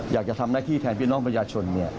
อยากจะทำหน้าที่แทนพี่น้องประชาชน